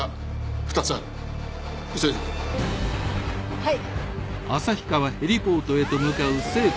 はい。